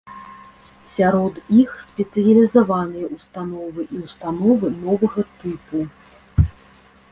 Сярод іх спецыялізаваныя ўстановы і ўстановы новага тыпу.